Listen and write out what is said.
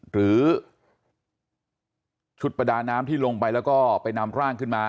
หรือชุดประดาน้ำที่ลงไปแล้วก็ไปนำร่างขึ้นมา